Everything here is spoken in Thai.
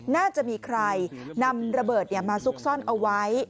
น่าจะมีใครนำระเบิดมาซุกซ่อนเอาไว้